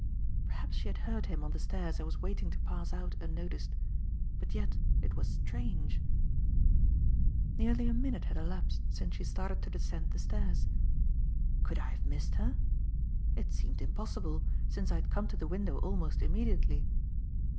Perhaps she had heard him on the stairs and was waiting to pass out unnoticed. But yet it was strange. Nearly a minute had elapsed since she started to descend the stairs. Could I have missed her? It seemed impossible, since I had come to the window almost immediately.